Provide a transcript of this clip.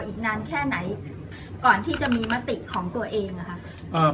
ก่อนที่จะมีมติของตัวเอง